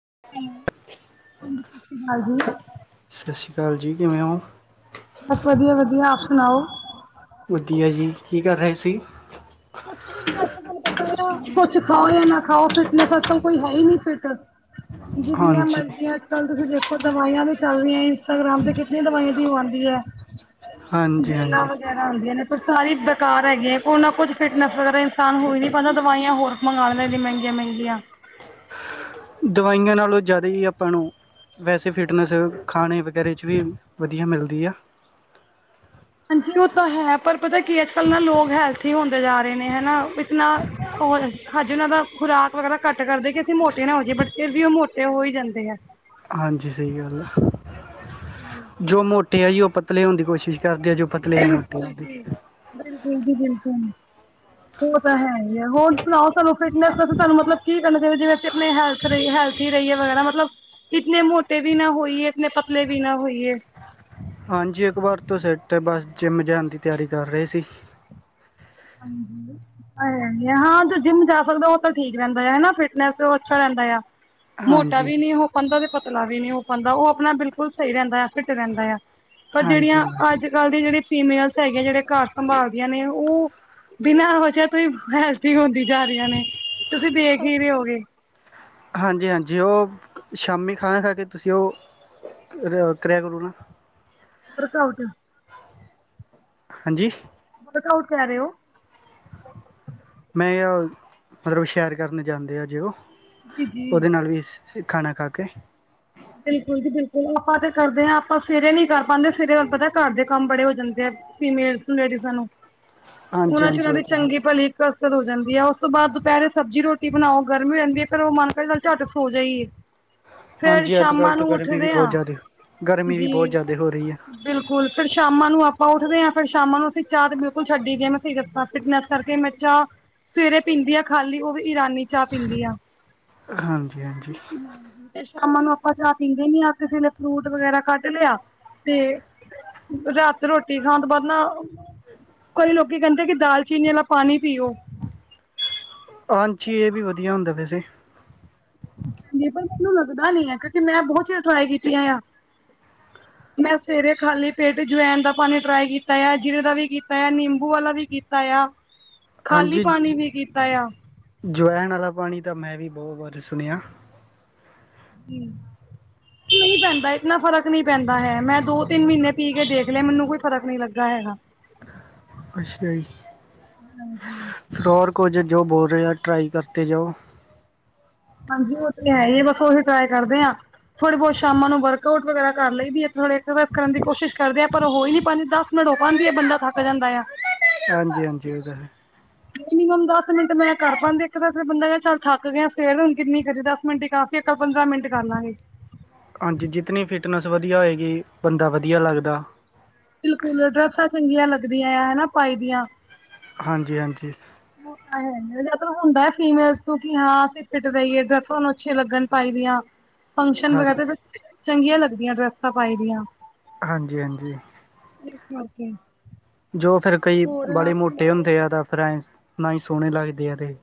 [unintelligible] ਸ਼ਿਆਲ ਜੀ ਕਿਵੇਂ ਹੋ। ਬਸ ਵਧੀਆ, ਵਧੀਆ ਆਪ ਸੁਣਾਓ। ਵਧੀਆ ਜੀ ਕੀ ਕਰ ਰਹੇ ਸੀ। ਕੁਛ ਵੀ ਨਹੀਂ ਅ ਬ ਪਤਾ। ਕੁੱਛ ਖਾਓ ਜਾਂ ਨਾ ਖਾਓ ਫਿਟਨੈਸ ਅੱਜ, ਕੱਲ ਕੋਈ ਹੈ ਹੀ ਨਹੀਂ ਫਿਟਨ ਜਿੰਨੀਆਂ ਹਾਂਜੀ ਮਰਜ਼ੀਆਂ ਅੱਜ, ਕੱਲ ਤੁਸੀਂ ਦੇਖੋ ਦਵਾਈਆਂ ਵਿੱਚ ਚੱਲ ਰਹੀਆਂ ਇੰਸਟਾਗ੍ਰਾਮ ਤੇ ਕਿਤੀਆਂ ਦਵਾਈਆਂ ਦੀ ਆਉਂਦੀ ਹੈ। ਹਾਂਜੀ ਬਲਾਂ ਹਾਂਜੀ ਵਗੈਰਾ ਹੁੰਂਦੀਆਂ ਨੇ ਫ ਸਾਰੀ ਬੇਕਾਰ ਹੈਗੀ। ਆ ਕੋ ਨਾ ਕੁੱਝ ਫਿਟਨੈਸ ਵਗੈਰਾ ਇਨਸਾਨ ਹੋਈ ਨੀ ਪੈਂਦਾ ਦਵਾਈਆਂ ਹੋਰ ਮੰਗਵਾ ਲ ਮਹਿੰਗੀਆਂ, । ਮਹਿੰਗੀਆਂ ਦਵਾਈਆਂ ਨਾਲੋਂ ਜ਼ਿਆਦਾ ਹੀ ਆਪਾਂ ਨੂੰ ਵੈਸੇ ਫਿਟਨੈਸ ਖਾਣੇ ਵਗੈਰੇ ਚ ਵੀ ਵਧੀਆ ਮਿਲਦੀ ਆ। ਜੀ ਉਹ ਤਾਂ ਹੈ। ਪਰ ਪਤਾ ਕੀ ਅੱਜ, ਕੱਲ ਨਾ ਲੋਕ ਹੈਲਥੀ ਹੁੰਦੇ ਜਾ ਰਹੇ ਨੇ ਹਨਾ ਇਤਨਾ ਹੋ। ਅੱਜ ਉਹਨਾਂ ਦਾ ਖੁਰਾਕ ਵਗੈਰਾ ਘੱਟ ਕਰਦੇ ਕਿ ਅਸੀਂ ਮੋਟੇ ਨਾ ਹੋ ਜਾਏ ਬਟ ਫੇਿਰ ਵੀ ਉਹ ਮੋਟੇ ਹੋ ਹੀ ਜਾਂਦੇ ਆ। ਹਾਂਜੀ ਸਹੀ ਗੱਲ ਆ ਜੋ ਮੋਟੇ ਆ ਜੀ ਉਹ ਪਤਲੇ ਹੋਣ ਦੀ ਕੋਸ਼ਿਸ਼ ਕਰਦੇ ਆ ਜੋ ਪਤਲੇ ਆ ਮੋਟੇ ਬਿਲਕੁਲ ਹੋਣ ਦੀ ਜੀ ਬਿਲਕੁਲ ਜੀ ਬਿਲਕੁਲ। ਉਹ ਤਾਂ ਹੈ ਹੀ ਹੈ ।ਹੋਰ ਸੁਣਾਓ ਤੁਹਾਨੂੰ ਫਿਟਨਸ ਸਾਨੂੰ ਮਤਲਬ ਕੀ ਕਰਨਾ ਚਾਹੀਦਾ ਜਿਵੇਂ ਆਪਣੇ ਹੈਲਥ ਹੈਲਥੀ ਰਹੀਏ ਵਗੈਰਾ ਮਤਲਬ ਇੱਕ ਨੇ ਮੋਟੇ ਵੀ ਨਾ ਹੋਈਏ ਇਤੇ ਪਤਲੇ ਵੀ ਨਾ ਹੋਈਏ [unintelligible] ਹਾਂਜੀ ।ਇੱਕ ਵਾਰ ਤੋਂ ਸੈਟ ਬਸ ਜਿੰਮ ਜਾਣ ਦੀ ਤਿਆਰੀ ਕਰ ਰਹੇ ਸੀ। [unintelligible] ਹਾਂ ਜੋ ਜਿੰਮ ਜਾ ਸਕਦਾ ਉਹ ਤਾਂ ਠੀਕ ਰਹਿੰਦਾ ਆ। ਫਿਟਨੈਸ ਉਹ ਅੱਛਾ ਰਹਿੰਦਾ ਆ। ਮੋਟਾ ਹਾਂਜੀ ਵੀ ਨਹੀਂੀ ਹੋ ਪਾਉਂਦਾ ਤੇ ਪਤਲਾ ਵੀ ਨਹੀਂੀ ਹੋ ਪਾਉਂਦਾ ਉਹ ਆਪਣਾ ਬਿਲਕੁਲ ਸਹੀ ਰਹਿੰਦਾ। ਫਿੱਟ ਰਹਿੰਦਾ ਆ ਪਰ ਜਿਹੜੀਆਂ ਹਾਂਜੀ ਅੱਜ ਕੱਲ੍ਹ ਦੀ ਜਿਹੜੀ ਫੀਮੇਲਸ ਹੈਗੀਆਂ ਜਿਹੜੇ ਘਰ ਸੰਭਾਲਦੀਆਂ ਨੇ ਉਹ ਬਿਨਾਂ ਜਹਾ ਤੋਂ ਹੈਲਥ ਹੁੰਦੀ ਜਾ ਰਹੀਆਂ ਨੇ ਤੁਸੀਂ ਦੇੇਖ ਹੀ ਰ ਹੋਗੇ ਹਾਂਜੀ ਹਾਂਜੀ ਉਹ ਸ਼ਾਮੀ ਖਾਣਾ ਖਾ ਕੇ ਤੁਸੀਂ ਉਹ ਕਿਇਆ ਕਰੀਣਾ ਅਕਾ ਆਊਟ ਹਾਂਜੀ। ਬਹੁਤ ਆਊਟ ਕਹਿ ਰਹੇ ਹੋ। ਨਹੀਂ ਹੋ ਸਾਰੇ ਸ਼ੈਰ ਕਰਨ ਜਾਂਦੇ ਆ ਜੇ ਉਹ ਜੀ ਜੀ ਉਹਦੇ ਨਾਲ ਵੀ ਖਾਣਾ ਖਾ ਕੇ ਬਿਲਕੁਲ ਜੀ ਬਿਲਕੁਲ ਆਪਾਂ ਤੇ ਕਰਦੇ ਹਾਂ ਆਪਾਂ ਸਵੇਰੇ ਨੀ ਕਰ ਪਾਉਂਦੇ ਸਵੇਰੇ ਵੱਲ ਪਤਾ ਘਰ ਦੇ ਕੰਮ ਬੜੇ ਹੋ ਜਾਂਦੇ ਆ। ਫੀਮੇਲ ਲੇਡੀਜ਼ ਨੂੰ ਹਾਂਜੀ ਉਹਨਾਂ ਚ ਹਾਂਜੀ ਉਹਨਾਂ ਉਹ ਦੀ ਤਾਂ ਹੈ ਚੰਗੀ ਭਲੀ ਇੱਕ ਤ ਹੋ ਜਾਂਦੀ ਹੈ ਉਸ ਤੋਂ ਬਾਅਦ ਦੁਪਹਿਰੇ ਸਬਜ਼ੀ ਰੋਟੀ ਬਣਾਓ ਗਰਮੀ ਹੋ ਜਾਂਦੀ ਹੈ ਫ ਉਹ ਮਨ ਕਰੇ ਚੱਲ ਝੱਟ ਸੋ ਜਾਈਏ ਫਿਰ ਹਾਂਜੀ-ਹਜੀ ਸ਼ਾਮਾਂ ਨੂੰ ਉੱਠਦੇ ਹਾਂ ਵੀ ਜੀ ਬਹੁਤ ਜ਼ਿਆਦਾ ਹੋ ਰਹੀ ਹੈ ਬਿਲਕੁਲ ਫਰ ਸ਼ਾਮਾਂ ਨੂੰ ਆਪਾਂ ਉ ਦੇ ਫਿਰ ਸ਼ਾਮਾਂ ਨੂੰ ਅਸੀਂ ਚਾਹ ਤੇ ਬਿਲਕੁਲ ਛੱਡੀ ਗਏ ਮੈਂ ਸ ਦੱਸਾਂ ਫਿਟਨੈਸ ਕਰਕੇ ਮੈਂ ਚਾਹ ਸਵੇਰੇ ਪੀਂਦੀ ਆ ਖਾਲੀ ਉਹ ਵੀ ਇਰਾਨੀ ਚਾਹ ਪੀਂਦੀ ਆ ਹਾਂਜੀ ਹਾਂਜੀ ਸ਼ਾਮਾਂ ਨੂੰ ਆਪਾਂ ਚਾਹ ਪੀਂਦੇ ਨੀ ਆ ਕਿਸੇ ਲੇ ਫਰੂਟ ਵਗੈਰਾ ਕੱਨ ਲਿਆ ਤੇ ਰਾਤ ਰੋਟੀ ਖਾਣ ਤੋਂ ਬਾਅਦ ਨਾ ਕਈ ਲੋਕੀ ਕਹਿੰਦੇ ਕਿ ਦਾਲਚੀਨੀ ਵਾਲਾ ਪਾਣੀ ਪੀਓ ਹਾਂਜੀੀ ਇਹ ਵੀ ਵਧੀਆ ਹੁੰਦਾ ਵੈਸੇ ਕਹ ਪਰ ਮੈਨੂੰ ਲੱਗਦਾ ਨੀ ਹੈ ਕਿਉਂਕਿ ਮੈਂ ਬਹੁਤ ਚਿਰ ਟਰਾਈ ਕੀਤੀਆਂ ਆ ਮੈਂ ਸਵੇਰੇ ਖਾਲੀ ਪੇਟ ਜਵਾੈਨ ਦਾ ਪਾਣੀ ਟਰਾਈ ਕੀਤਾ ਆ ਜੀਰੇ ਦਾ ਵੀ ਕੀਤਾ ਆ ਨਿੰਬੂ ਵਾਲਾ ਵੀ ਕੀਤਾ ਆ ਖਾਲੀ ਹਾਂਜੀ ਪਾਣੀ ਵੀ ਕੀਤਾ ਆ ਜਵੈਣ ਵਾਲਾ ਪਾਣੀ ਤਾਂ ਮੈਂ ਵੀ ਬਹੁਤ ਸੁਣਿਆ ਹਮ ਹ ਪੈਂਦਾ ਇਤਨਾ ਫਰਕ ਨੀ ਪੈਂਦਾ ਹੈ ਮੈਂ ਦੋ ਤਿੰਨ ਮਹੀਨੇ ਪੀ ਕੇ ਦੇਖ ਲਿਆ ਮੈਨੂੰ ਕੋਈ ਫਰਕ ਨੀ ਲੱਗਾ ਹੈਗਾ ਅੱਛਾ ਜੀ ਫਿਰ ਹੋਰ ਕੁਝ ਜੋ ਬੋਲ ਰਿਹਾ ਟਰਾਈ ਕਰਤੇ ਜਾਓ ਹਾਂਜੀ ਉਹ ਤੇ ਹੈ ਬੱਸੋ ਅਸੀਂ ਟਰਾਈ ਕਰਦੇ ਹਾਂ ਥੋੜੇ ਬਹੁਤ ਸ਼ਾਮਾਂ ਨੂੰ ਵਰਕਆਊਟ ਵਗੈਰਾ ਕਰ ਲਈਦੀ ਹੈ ਥੋੜ੍ਹ ਸਰਸਾਈਜ਼ ਕਰਨ ਦੀ ਕੋਸ਼ਿਸ਼ ਕਰਦੇ ਆ ਪਰ ਉਹ ਹੋਈ ਨੀ ਪੰਜ ਦਸ ਮਿੰਟ ਧੁੱਪਾਂ ਚ ਹੀ ਬੰਦਾ ਥੱਕ ਜਾਂਦਾ ਆ ਹਾਂਜੀ-ਹਾਂਜੀ ਉਹਤਾ ਹੈ ਮਿਨੀਮਮ ਦਸ ਮਿੰਟ ਮੈਂ ਕਰ ਪਾਂਦੇ ਆਂ ਇੱਕ ਤਾਂ ਫਿਰ ਬੰਦਾ ਚਲ ਥੱਕ ਗਿਆ ਫਿਰ ਹੁਣ ਕਿੰਨੀ ਕਰੀਏ ਦਸ ਮਿੰਟ ਹੀ ਕਾਫੀ ਇੱਕ ਪੰਦਰਾਂ ਮਿੰਟ ਕਰ ਲਾਂਗੇ ਹਾਂਜੀ ਜਿਤਨੀ ਫਿਟਨੈਸ ਵਧੀਆ ਹੋਏਗੀ ਬੰਦਾ ਵਧੀਆ ਲੱਗਦਾ ਬਿਲਕੁਲ ਡਰੈਸਾਂ ਚੰਗੀਆਂ ਲੱਗਦੀਆਂ ਆ ਹੈਨਾ ਪਾਈ ਦੀਆਂ ਹਾਂਜੀ-ਹਾਂਜੀ ਉਹ ਤਾਂ ਜ ਹੁੰਦਾ ਫੀਮੇਲ ਤੋਂ ਕਿ ਹਾਂ ਅਸੀਂ ਫਿਟ ਰਹੀਏ ਤੁਹਾਨੂੰ ਅੱਛੇ ਲੱਗਣ ਪਾਈ ਫੰਕਸ਼ਨ ਹਾਂਜੀ ਵਗੈਰਾ ਚੰਗੀਆਂ ਲੱਗਦੀਆਂ ਡਰੈਸਾਂ ਪਾਈ ਦੀਆਂ ਹਾਂਜੀ-ਹਾਂਜੀ ਕੇ ਜੋ ਫੇਿਰ ਕਈ ਬੜੇ ਮੋਟੇ ਹੁੰਦੇ ਆ ਫਿਰ ਐਂ ਨਾ ਹੀ ਸੋਹਣੇ ਲੱਗਦੇ ਆ ਤੇ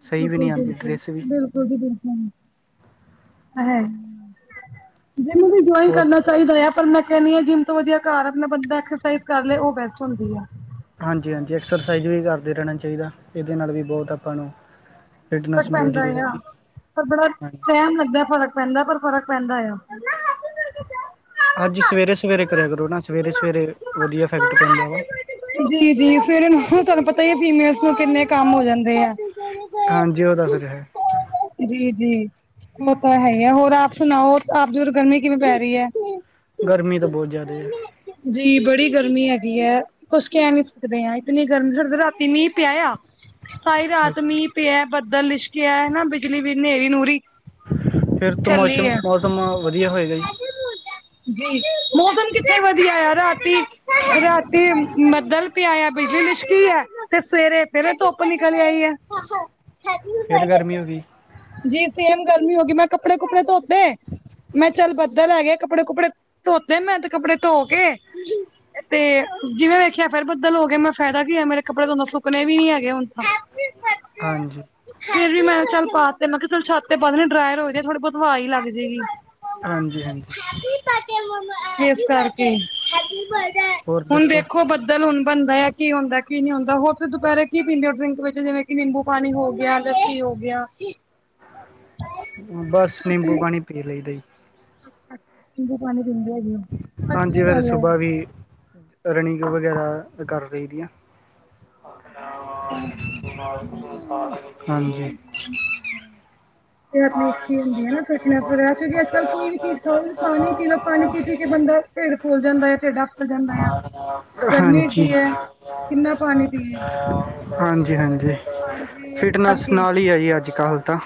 ਸਹੀ ਵੀ ਨਹੀਂ ਆਉਂਦੀ ਡਰੈਸ ਵੀ ਬਿਲਕੁਲ-ਬਿਲਕੁਲ-ਬਿਲਕੁਲ ਜੀ ਬਿਲਕੁਲ ਜਿਮੱ ਵੀ ਜਇੰਨ ਹੋਰ ਕਰਨਾ ਚਾਹੀਦਾ ਆ ਮੈਂ ਕਹਿੰ ਹਾਂ ਜਿੰਮ ਤੋਂ ਵਧੀਆ ਘਰ ਆਪਣਾ ਬੰ ਐਕਸਰਸਾਈਜ ਕਰ ਲ ਉਹ ਬੈਸਟ ਹੁੰਦੀ ਆ ਹਾਂਜੀ-ਹਾਂਜੀ ਐਕਸਰਸਾਈਜ਼ ਵੀ ਕਰਦੇ ਰਹਿਣਾ ਚਾਹੀਦਾ ਇਹਦੇ ਨਾਲ ਵੀ ਬਹੁਤ ਆਪਾਂ ਨੂੰ ਫਰਕ ਫਿਟਨੈਸ ਪੈਂਦਾ ਮਿਲਦੀ ਹੈ ਆ ਰਹਿੰਦੀ ਪਰ ਬੜਾ ਹਾਂਜੀ ਟਾਈਮ ਲੱਗਿਆ ਫ਼ਰਕ ਪੈਂਦਾ ਪਰ ਫਰਕ ਪੈਂਦਾ ਆ ਹੱਜੀ ਸਵੇਰੇ-ਸਵੇਰੇ ਕਰਿਆ ਕਰੋ ਨਾ ਸਵੇਰੇ ਸਵੇਰੇ ਵਧੀਆ ਫੈਕਟ ਪੈਂਦਾ ਵਾ ਫਵੇ ਹੁਣ ਤੁਹਾਨੂੰ ਪਤਾ ਹੀ ਫੀਮੇਲਸ ਨੂੰ ਕਿੰਨੇ ਕੰਮ ਹੋ ਜਾਂਦੇ ਆ ਹਾਂਜੀ ਉਹ ਤਾਂ ਫਿਰ ਹੈ ਜੀ-ਜੀ ਉਹ ਤਾਂ ਹੈ ਹੀ ਹੈ ਹੋਰ ਆਪ ਸੁਣਾਓ ਆਪਦੀ ਉੱਧਰ ਗਰਮੀ ਕਿਵੇਂ ਪੈ ਰਹੀ ਹੈ ਗਰਮੀ ਤਾਂ ਬਹੁਤ ਜ਼ਿਆਦਾ ਹੈ ਬੜੀ ਗਰਮੀ ਹੈਗੀ ਹੈ ਕੁਝ ਕਹਿ ਨੀ ਸਕਦੇ ਆਂ ਇਤਨੀ ਗਰਮੀ ਡ ਰਾਤੀ ਮੀਂਹ ਪਿਆ ਸਾਈ ਰਾਤ ਅੱਛਾ ਮੀਂਹ ਪਿਆ ਬੱਦਲ ਲਿਸ਼ਕਿਆ ਨਾ ਬਿਜਲੀ ਬ ਹਨੇਰੀ ਨੂਹਰੀ ਫਿਰ ਤ ਮੌਸਮ-ਮੌਸਮ ਵਧੀਆ ਹੋਏਗਾ ਜੀ ਜੀ ਮੌਸਮ ਕਿੱਥੇ ਵਧੀਆ ਆ ਰਾਤ ਹਾਂ [inaudible] ਰਾਤੀ ਬੱਦਲ ਪਿਆ ਬਿਜਲੀ ਲਿਸ਼ਕੀ ਹੈ ਤੇ ਸਵੇਰੇ ਫੇਰੇ ਧੁੱਪ ਨਿਕਲ ਆਈ ਹੈ। ਅੱਛਾ ਖ ਫਿਰ ਗਰਮੀ ਹੋ ਗਈ ਜੀ ਸੇਮ ਗਰਮੀ ਹੋ ਗਈ ਮੈਂ ਕੱਪੜੇ ਕੁਪੜੇ ਧੋਤੇ ਮੈਂ ਚੱਲ ਬੱਦਲ ਹੈਗੇ ਕੱਪੜੇ ਕੁੱਪੜੇ ਧੋਤੇ ਮੈਂ ਤੇ ਕੱਪੜੇ ਧੋ ਕੇ ਤੇ ਜਿਵੇਂ ਵੇਖਿਆ ਫੇਰ ਬੱਦਲ ਹੋ ਗਏ ਮੈਂ ਫਾਇਦਾ ਕੀ ਹੈ ਮੇਰੇ ਕੱਪੜੇ ਸੁੱਕਣੇ ਵੀ ਨੀ ਹੈਗੇ ਹੁਣ ਤਾਂ ਹਾਂਜੀ। ਫੇਰ ਵੀ ਮੈਂ ਚ ਪਾ ਤੇ ਮੈਂ ਕਿਹਾ ਚੱਲ ਛੱਤ ਤੇ ਡਰਾਰ ਹੋ ਜਾ ਆ ਥੋੜੀ ਬਹੁਤ ਹਵਾ ਹੀ ਲੱਗ ਜਾਏਗੀ। ਹਾਂਜੀ ਹਾਂਜੀ। ਇਸ ਕਰਕੇ ਹੋਰ ਹੁਣ ਦੱਸੋ ਦੇਖੋ ਬੱਦਲ ਹੁਣ ਬਣਦਾ ਹੈ ਕੀ ਹੁੰਦਾ ਕੀ ਨ ਨਹੀਂ ਹੁੰਦਾ ਹੋਰ ਤੇ ਦੁਪਹਿਰੇ ਕੀ ਪੀਂਦੇ ਹੋ ਡਰਿੰਕ ਵਿੱਚ ਜਿਵੇਂ ਕਿ ਨਿੰਬੂ ਪਾਣੀ ਹੋ ਗਿਆ ਜਾਂ ਕੀ ਹੋ ਗਿਆ ਬਸ ਨਿੰਬੂ ਪਾਣੀ ਪੀ ਲਈ ਦੇਈ ਦਾ ਨਿੰਬੂ ਪਾਣੀ ਪੀਂਦੇ ਹੈਗੇ ਆ ਹਾਂਜੀ ਅੱਛੀ ਫਿਰ ਗੱਲ ਹੈ। ਸੁਬਾਹ ਵੀ ਰਨਿੰਗ ਵਗੈਰਾ ਫਿਰ ਕਰ ਲਈ ਦੀ ਆ ਹਾਂਜੀ। ਤੇ ਆਪਣੀ ਅੱਛੀ ਹੀ ਹੁੰਦੀ ਹੈ ਨਾ ਫਿਟਨ ਵਗੈਰਾ ਕਿਉਂਕ ਅੱ ਕੱਲ ਕੋਈ ਵੀ ਚੀਜ਼ ਖਾ ਖ ਪਾਣੀ ਪੀ ਲੋ ਪਾਣੀ ਪੀ ਪੀ ਕੇ ਹਾਂਜੀ ਬੰਦਾ ਢਿੱਡ ਫੁਲ ਜਾਂਦਾ ਆ ਢਿੱਡ ਆਫਰ ਜਾਂਦਾ ਆ ਗਰਮੀ ਏਡੀ ਹੈ। ਕਿੰਨਾ ਪਾਣੀ ਪੀਏ ਹਾਂਜੀ ਹਾਂਜੀ। ਹਾਂਜੀ ਇਸ ਫਿਟਨੈਸ ਕਰਕੇ ਨਾਲ ਹੀ ਹੈ ਜੀ ਅੱਜ ਕੱਲ੍ਹ ਤਾਂ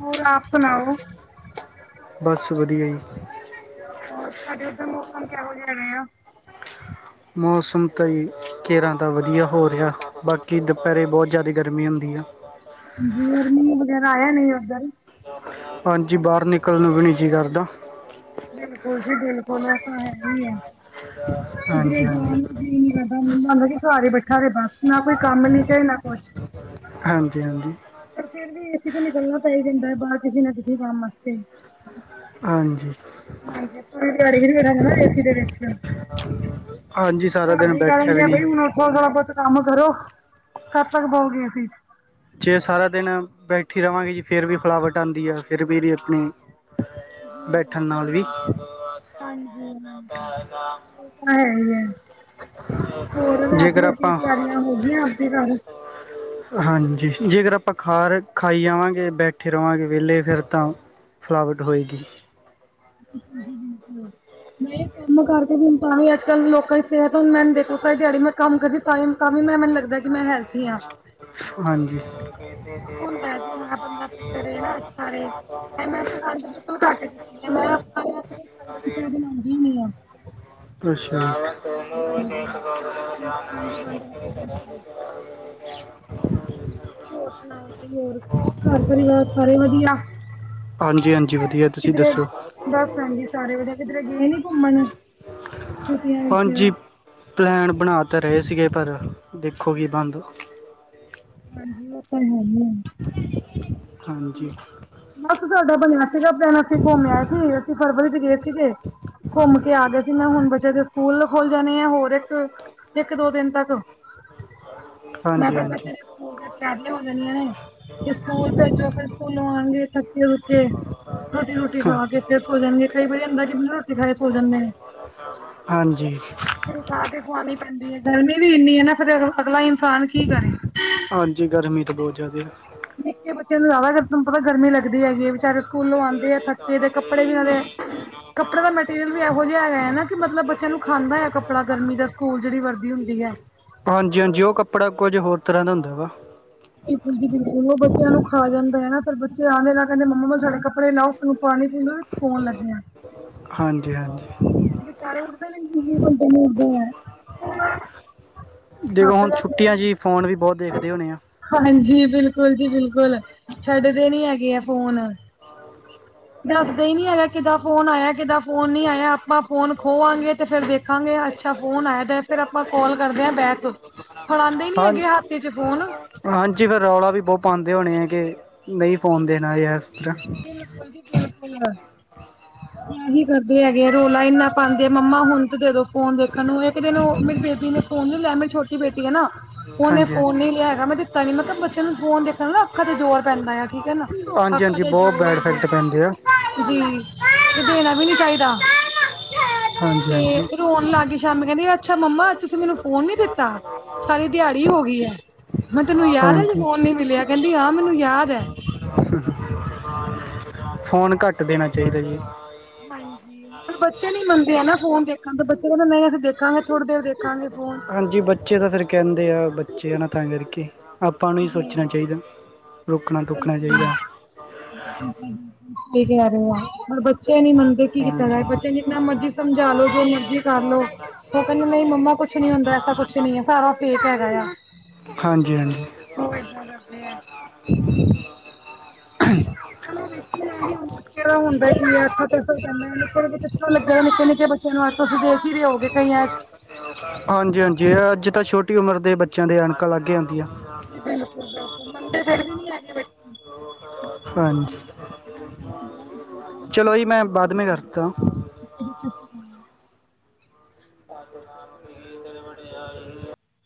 ਹੋਰ ਆਪ ਸੁਣਾਓ ਬਸ ਵਧੀਆ ਜੀ। ਹੋਰ ਸਾਡੇ ਓਧਰ ਮੌਸਮ ਕਿਹੋ ਜਿਹਾ ਰਿਹਾ ਆ ਮੌਸਮ ਤਾਂ ਜੀ ਕੇਰਾ ਦਾ ਵਧੀਆ ਹੋ ਰਿਹਾ ਬਾਕੀ ਦੁਪਹਿਰੇ ਬਹੁਤ ਜ਼ਿਆਦਾ ਗਰਮੀ ਹੁੰਦੀ ਆ। ਜ ਹੋਰ ਮੀਹ ਵਗੈਰਾ ਆਇਆ ਨਹੀਂ ਓਧਰ ਹਾਂਜੀ ਬਾਹਰ ਨਿਕਲ ਨੂੰ ਵੀ ਨ ਜੀਅ ਕਰਦਾ। ਬਿਲਕੁਲ ਜੀ ਬਿਲਕੁਲ ਐ ਤਾਂਾ ਹੈ ਹੀ ਆ ਅੱ ਕਿਧਰੇ ਜਾਨ ਨੂੰ ਜੀ ਨੀ ਕਰਦਾ ਬੰਦਾ ਬੈਠਾ ਰ ਬਸ ਨਾ ਕੋਈ ਕੰਮ ਨੀ ਤੇ ਨਾ ਕੁਛ ਹਾਂਜੀ ਹਾਂਜੀ। ਪਰ ਫੇਰ ਵੀ ਏਸੀ ਤੋਂ ਨਿਕਲਣਾ ਪੈ ਜਾਂਦਾ ਬਾਹਰ ਕਿਸੇ ਨਾ ਕਿਸੇ ਕੰਮ ਵਾਸਤੇ। ਹਾਂਜੀ ਹਾਂਜੀ ਨਾ ਏਸੀ ਦੇ ਵਿੱਚ ਹਾਂਜੀ ਸਾਰਾ ਹਾਂ ਦਿਨ ਕੀ ਕਰਨ ਬੈਠਿਆ ਦਿਆ ਵੀ ਆ ਬਈ ਨਹੀਂ ਹੁਣ ਉਠੋ ਸੋ ਪੁੱਤ ਕੰਮ ਕਰੋ ਘਰ ਤੱਕ ਬਾਓਗੇ ਅਸੀਂ ਜੇ ਸਾਰਾ ਦਿਨ ਬੈਠੀ ਰਵਾਂਗੇ ਜੀ ਫੇਰ ਵੀ ਫਿਲਾਵਟ ਆਉਂਦੀ ਆ ਫਿਰ ਵੀਦੀ ਆਪਣੀ ਜੀ ਬੈਠਣ ਬਿਲਕੁਲ ਨਾਲ ਜ ਵੀ ਬਿਲਕੁ ਹਾਂਜੀ ਹਾਂਜੀ ਤਾਂ ਹੈ ਹੈ ਹੋਰ ਰਾਤ ਦੀ ਜੇਕਰ ਰੋਟੀ ਆਪਾਂ ਤਿਆਰੀਆਂ ਹੋ ਗਈਆਂ ਅੱਧੇ ਨਾਲ ਹਾਂਜੀ ਜੇਕਰ ਆਪਾਂ ਖਾਰ ਖਾਈ ਆਵਾਂਗੇ ਬੈਠੇ ਰਵਾਂਗੇ ਵਿਹਲੇ ਫਿਰ ਤਾਂ ਫਲਾਵਟ ਹੋਏਗੀ। ਬਿਲਕੁਲ ਮ ਮੈਂ ਕਰਕੇ ਤਾਂ ਵੀ ਅੱਜ ਕੱਲ੍ਹ ਲੋਕਾਂ ਦੀ ਸਿਹਤ ਮੈ ਦੇਖੋ ਸ ਦਿਹਾੜੀ ਮੈਂ ਕੰਮ ਕਰਦੀ ਟਾਈਮ ਤਾਂ ਵੀ ਮੈਂ ਮੈਨੂੰ ਲੱਗਦਾ ਕਿ ਮੈਂ ਹੈਲਥੀ ਹਾਂ ਹਾਂਜੀ। ਹੁਣਦਾ ਜ ਹੈ ਬੰਦਾ ਫਿਟ ਰਹੇ ਨਾ ਅੱਛਾ ਰਹੇ ਮੈਂ ਖੰਡ ਬਿਲਕੁਲ ਘੱਟ ਮੈਂ ਆਪ ਆਪਣੇ ਚਾਹ ਬਣਾਉਦੀ ਨੀ ਆ ਅੱਛਾ। ਹਾਂਜੀ ਮੈਂ ਖੰਡ ਬੰਦ ਰੱਖ [inaudible] ਹੋਰ ਸੁਣਾਓ ਜੀ ਹੋਰ ਘਰ ਪਰਿਵਾਰ ਸਾਰੇ ਵਧੀਆ ਹਾਂਜੀ-ਹਾਂਜੀ ਵਧੀਆ ਤੁਸੀਂ ਕਿਧਰੇ ਦੱਸੋ? ਬਸ ਹਾਂਜੀ ਸਾਰੇ ਵਧੀਆ ਕਿਧਰੇ ਗਏ ਨੀ ਘੁੰਮਣ ਛੁੱਟੀਆਂ ਵਿੱਚ ਹਾਂਜੀ ਪਲੈਨ ਬਣਾ ਤਾਂ ਰਹੇ ਸੀਗੇ ਪਰ ਦੇਖੋ ਕੀ ਬਣ ਦਾ ਹਾਂਜੀ ਉਹ ਤਾਂ ਹੈਗੀ ਆ ਹਾਂਜੀ। ਤੁਹਾਡਾ ਬਣਿਆ ਸੀਗਾ ਪਲੈਨ ਅਸੀਂ ਘੁੰਮਿਆ ਆਏ ਸੀ ਅਸੀਂ ਫਰਵਰੀ ਚ ਗਏ ਸੀਗੇ ਘੁੰਮ ਕੇ ਆ ਗਿਆ ਸੀ ਮੈਂ ਹੁਣ ਬੱਚੇ ਦੇ ਸਕੂਲ ਖੁੱਲ ਜਾਣੇ ਆ ਹੋਰ ਇੱਕ ਦੋ ਦਿਨ ਤੱਕ ਮੈਂ ਹਾਂਜੀ ਆਪਣੇ ਹਾਂਜੀ ਬੱਚੇ ਸਕੂਲ ਦੀਆਂ ਤਿਆਰੀਆਂ ਹੋ ਜਾਂਣਆਂ ਨੇ ਤੇ ਸਕੂਲ ਭੇਜੋ ਫੇਿਰ [inaudible] ਰੋਟੀ-ਰੋਟੀ ਖਾ ਹਾਂਜੀ ਕੇ ਫਿਰ ਸੋ ਜਾਂਦੀ ਕਈ ਵਾਰੀ ਹੁੰਦਾ ਕਿ ਮ ਰੋਟੀ ਖਾ ਸੋ ਜਾਂਦੇ ਆ ਹਾਂਜੀ। ਪੈਂਦੀ ਹੈ ਗਰਮੀ ਵੀ ਇੰਨੀ ਹੈ ਨਾ ਫੇਿਰ ਅ ਅਗਲਾ ਇਨਸਾਨ ਕੀ ਕਰੇ ਹਾਂਜੀ ਗਰਮੀ ਤਾਂ ਬਹੁਤ ਜ਼ਿਆਦਾ ਆ ਨਿੱਕੇ ਬੱਚਿਆਂ ਨੂੰ ਜ਼ਿਆਦਾ ਤੁਹਾਨੂੰ ਪਤਾ ਗਰਮੀ ਲੱਗ ਹੈਗੀ ਹੈ ਵਿਚਾਰੇ ਸਕੂਲੋਂ ਆਉਂਦੇ ਆ ਥੱਕੇ ਤੇ ਕੱਪੜੇ ਵੀ ਇਹਨਾਂ ਦੇ ਕੱਪੜੇ ਦਾ ਮਟੀਰੀਅਲ ਵੀ ਇਹੋ ਜਿਹਾ ਹੈਗਾ ਹੈ ਨਾ ਕਿ ਮਤਲਬ ਬੱਚਿਆਂ ਨੂੰ ਖਾਂਦਾ ਹੈ ਕੱਪੜਾ ਗਰਮੀ ਦਾ ਸਕੂਲ ਜਿਹੜੀ ਵਰਦੀ ਹੁੰਦੀ ਹੈ ਹਾਂਜੀ-ਹਾਂਜੀ ਉਹ ਕੱਪੜਾ ਕੁਝ ਹੋਰ ਤਰ੍ਹਾਂ ਦਾ ਹੁੰਦਾ ਵਾ ਜੀ ਬਿਲਕੁਲ ਉਹ ਬੱਚਿਆਂ ਨੂੰ ਖਾ ਜਾਂਦਾ ਹੈ ਫਿਰ ਬੱਚੇ ਆ ਕਹਿੰਦੇ ਮੰਮਾ ਸਾਡੇੱ ਪਰੇ ਲਓ ਸਾਨੂੰ ਪਾਣੀ ਪੀ ਸੌਣ ਲੱਗ ਹ ਹਾਂਜੀ ਹਾਂਜੀ [inaudible] ਥੱਕ ਦੇਖੋ ਹੁਣ ਜਾਂਦੇ ਛੁੱਟੀਆਂ 'ਚ ਹੀ ਫੋਨ ਵੀ ਬਹੁਤ ਦੇਖਦੇ ਹੋਣੇ ਆ ਹਾਂਜੀ ਬਿਲਕੁਲ ਜੀ ਬਿਲਕੁਲ ਛੱਡਦੇ ਨੀ ਹੈਗੇ ਆ ਫੋਨ ਆਾਂ ਦੱਸਦੇ ਹੀ ਨੀ ਹੈਗਾ ਕਿੱਦਾ ਫੋਨ ਆਇਆ ਕਿੱਦਾ ਫੋਨ ਨੀ ਆਇਆ ਆਪਾਂ ਫੋਨ ਖੋਵਾਂਗੇ ਤੇ ਫੇਿਰ ਦੇਖ ਦੇਖਾਂਗੇ ਅੱਛਾ ਫੋਨ ਆਇਦਾ ਫਿਰ ਆਪਾਂ ਕਾਲ ਕਰਦੇ ਹਾਂ ਬੈਕ ਫੜਾਂਦੇ ਨੀ ਹਾਂ ਹੈਗੇ ਹੱਥ'ਚ ਫੋਨ। ਹਾਂਜੀ, ਫਿਰ ਰੌਲਾ ਵੀ ਬਹੁਤ ਪਾਉਂਦੇ ਹੋਣੇ ਹੈ, ਕਿ ਨਹੀਂ ਪਾਓਣ ਦੇਣਾ ਯਾਰ ਬਿਲਕੁਲ ਜੀ, ਬਿਲਕੁਲ। ਆਹੀ ਕਰਦੇ ਹੈਗੇ ਆ। ਰੋਲਾ ਇੰਨਾ ਪਾਂਦੇ ''ਮੰਮਾ ਹੁਣ ਤੇ, ਦੇਦੋ ਫੋਨ ਦੇਖਣ ਨੂੰ, ਇੱਕ ਦਿਨ ਉਹ ਮੇਰੀ ਬੇਬੀ ਨੇ ਫੋਨ ਨੀ ਲਿਆ ਮੇ ਛੋਟ ਕੀ, ਹੈ, ਨਾ। ਉਹਨੇ ਹਾਂਜੀ ਫੋਨ ਹਾਂਜੀ ਨੀ ਲਿਆ ਹੈਗਾ, ਮੈਂ ਦਿੱਤਾ ਨੀ ਮਤਲਬ ਬੱਚਿਆਂ ਨੂੰ ਫੋਨ ਦੇਖਣ ਨਾ ਅੱਖਾਂ ਤੇ, ਜ਼ੋਰ ਪੈਂਦਾ ਆ ਠੀਕ ਹੈ ਨਾ ਹਾਂਜੀ ਅੱਖਾਂ ਹਾਂਜੀ ਤੇ ਬਹੁਤ ਬੈਡ ਇਫੈਕਟ ਪੈਂਦੇ ਆ ਜੀ। ਤੇ, ਦੇਣਾ ਵੀ ਨੀ ਚਾਹੀਦਾ। ਹਾਂਜੀ ਹਾਂਜੀ ਤੇ ਰੋਣ ਲੱਗ ਗਏ, ਸ਼ਾਮੀ ਕਹਿੰਦੀ ਅੱਛਾ ਮੰਮਾ ਤੁਸੀਂ ਮੈਨੂੰ ਫੋਨ ਨੀ ਦਿੱਤਾ, ਸਾਰੀ ਦਿਹਾੜੀ ਹੋ ਗਈ ਹੈ। ''ਮੈਂ ਤੈਨੂੰ ਯਾਦ ਹੈ ਜੇ ਹਾਂਜੀ ਫੌਣ ਨੀ ਮਿਲਿਆ, ਕਹਿੰਦੀ ਹਾਂ। ਮੈਨੂੰ ਯਾਦ ਹੈ। ਫੋਨ ਘੱਟ ਦੇਣਾ ਚਾਹੀਦਾ ਜੀ। ਹਾਂਜੀ, ਹੁਣ ਬੱਚੇ ਨੀ ਮੰਨਦੇ ਆ ਨਾ ਫੋਨ ਦੇਖਣ ਤੋਂ, ਬੱਚੇ ਕਹਿੰਦੇ ਨਹੀਂ ਅਸੀਂ ਦੇਖਾਂਗੇ, ਥੋੜ੍ਹੀ ਦੇਰ ਦੇਖਾਂਗੇ। ਫੋਨ। ਹਾਂਜੀ। ਬੱਚੇ ਤਾਂ ਫਿਰ ਕਹਿੰਦੇ ਆ, ਬੱਚੇ ਆ ਨਾ, ਤਾਂ ਕਰਕੇ ਆਪਾਂ ਨੂੰ ਹੀ ਸੋਚਣਾ ਚਾਹੀਦਾ। ਰੋਕਣਾ ਟੋਕਣਾ ਚਾਹੀਦਾ ਬਿਲਕੁਲ, ਸਹੀ ਰਹੇ ਆ ਬੱਚੇ ਨੀ ਮੰਨਦੇ ਕੀ ਕੀਤਾ ਹਾਂਜੀ ਜਾਏ, ਬੱਚੇ ਨ ਜਿੰਨਾ ਮਰਜੀ ਸਮਝਾ ਲੋ, ਜੋ ਮਰਜੀ ਕਰਲੋ, ਓ ਕਹਿੰਦੇ ਨਹੀਂ ਮੰਮਾ ਕੁਛ ਨੀ ਹੁੰਦਾ, ਐਸਾ ਕੁਛ ਨੀ ਹੈ, ਸਾਰਾ ਫੇਕ ਹੈਗਾ ਯਾ। ਹਾਂਜੀ-ਹਾਂਜੀ। ਆ। ਹੰ [unintelligible] ਹੁੰਦਾ ਕਿ, ਹ ਨਿੱਕੇ-ਨਿੱਕੇ ਬੱਚਿਆਂ ਨੂੰ ਤੁਸੀਂ ਦੇਖ ਹੀ ਰਹੇ ਹੋਗੇ ਕਈਆਂ'ਚ ਹਾਂਜੀ-ਹਾਂਜੀ, ਅੱਜ ਤਾਂ ਛੋਟੀ ਉਮਰ ਦੇ ਬੱਚਿਆਂ ਦੇ ਐਣਕਾਂ ਲੱਗ ਜਾਂਦੀਆਂ। ਜੀ, ਬਿਲਕੁਲ-ਬਿਲਕੁਲ ਮਨਦੇ ਫਿਰ ਵੀ ਨਹੀਂ ਹੈਗੇ ਬੱਚੇ। ਹਾਂਜੀ। ਚਲੋ ਜੀ, ''ਮੈਂ ਬਾਅਦ ਮੇਂ ਕਰਤਾਂ। ਸਾਚੇ ਨਾਮ ਕੀ ਤਿਲੁ ਵਡਿਆਈ।।